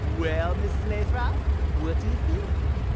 "Well, Mrs. Lathrop, what do you think?